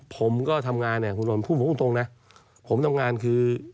ผมก็ทำงานน่ะผมทำงานคือ